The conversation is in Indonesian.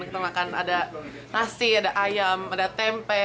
kita makan ada nasi ada ayam ada tempe